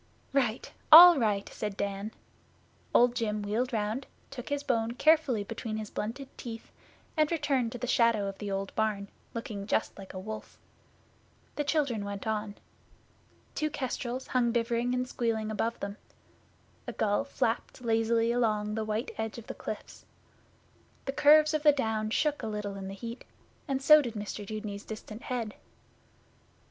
'Right! All right!' said Dan. Old Jim wheeled round, took his bone carefully between his blunted teeth, and returned to the shadow of the old barn, looking just like a wolf. The children went on. Two kestrels hung bivvering and squealing above them. A gull flapped lazily along the white edge of the cliffs. The curves of the Downs shook a little in the heat, and so did Mr Dudeney's distant head.